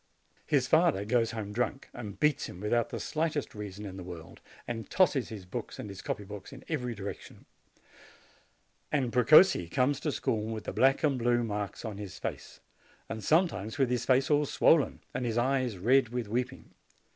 His father goes home drunk, and beats him without the slightest reason in the world, and tosses his books and his copy books in every direction. And Precossi comes to school with the black and blue marks on his face, and some times with his face all swollen, and his eyes red with weeping.